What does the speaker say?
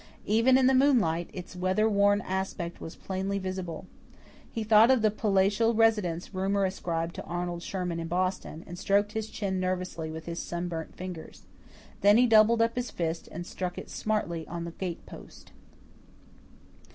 Even in the moonlight, its weather worn aspect was plainly visible. He thought of the "palatial residence" rumour ascribed to Arnold Sherman in Boston, and stroked his chin nervously with his sunburnt fingers. Then he doubled up his fist and struck it smartly on the gate post.